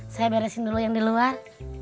saya beresin dulu yang di luar